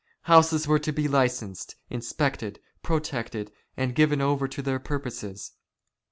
Houses were to be licensed, inspected, protected, and given over to their purposes.